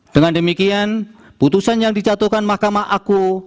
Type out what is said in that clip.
dengan demikian putusan yang dicatatkan mahkamah aku